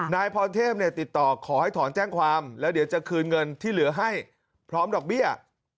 นายพรเทพติดต่อขอให้ถอนแจ้งความแล้วเดี๋ยวจะคืนเงินที่เหลือให้พร้อมดอกเบี้ย